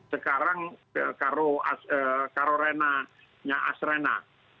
sekarang karo renanya asrena